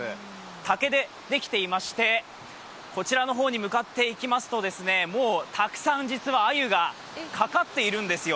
竹でできていまして、こちらの方に向かっていきますともう、たくさん実はアユがかかっているんですよ。